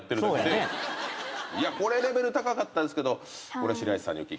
これレベル高かったですけどこれは白石さんにお聞きしたい。